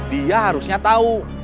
dia harusnya tahu